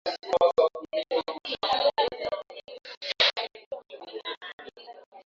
Mbali na matangazo ya moja kwa moja tuna vipindi vya televisheni vya kila wiki vya Afya Yako, Zulia Jekundu na Washington Ofisi